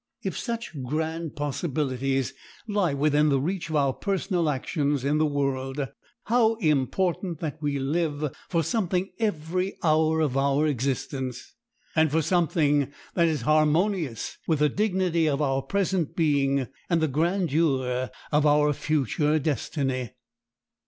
If such grand possibilities lie within the reach of our personal actions in the world how important that we live for something every hour of our existence, and for something that is harmonious with the dignity of our present being and the grandeur of our future destiny!